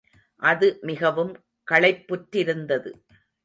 அது மிகவும் களைப்புற்றிருந்தது.